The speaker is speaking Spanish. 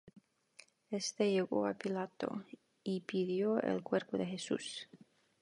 Este llegó á Pilato, y pidió el cuerpo de Jesús.